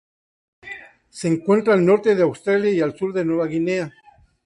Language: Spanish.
Se encuentra al norte de Australia y al sur de Nueva Guinea.